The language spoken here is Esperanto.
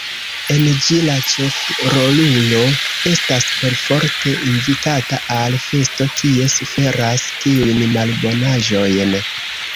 En ĝi la ĉefrolulo estas perforte invitata al festo kie suferas tiujn malbonaĵojn.